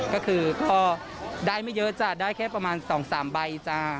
ก็คือได้ไม่เยอะได้แค่ประมาณ๒๓ใบ